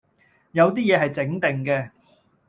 有啲野係整定嘅